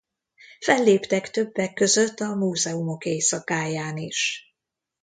Felléptek többek között a Múzeumok éjszakáján is.